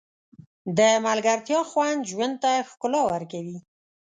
د ملګرتیا خوند ژوند ته ښکلا ورکوي.